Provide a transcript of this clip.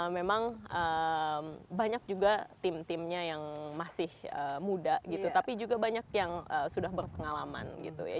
memang banyak juga tim timnya yang masih muda gitu tapi juga banyak yang sudah berpengalaman gitu ya